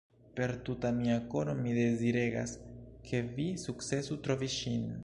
Per tuta mia koro mi deziregas, ke vi sukcesu trovi ŝin.